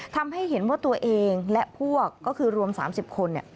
ทำให้เห็นว่าตัวเองและพวกก็คือรวม๓๐คน